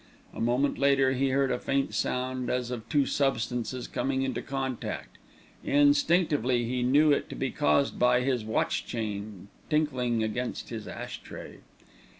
A moment later he heard a faint sound as of two substances coming into contact. Instinctively he knew it to be caused by his watch chain tinkling against his ash tray.